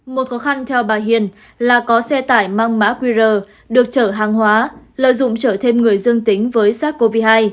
một khó khăn theo bà hiền là có xe tải mang mã qr được chở hàng hóa lợi dụng chở thêm người dương tính với sars cov hai